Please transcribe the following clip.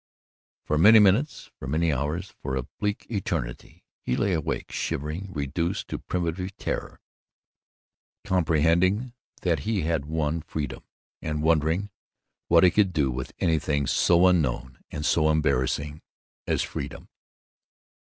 For many minutes, for many hours, for a bleak eternity, he lay awake, shivering, reduced to primitive terror, comprehending that he had won freedom, and wondering what he could do with anything so unknown and so embarrassing as freedom.